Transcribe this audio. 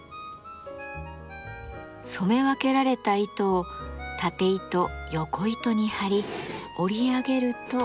染め分けられた糸をたて糸よこ糸に張り織り上げると。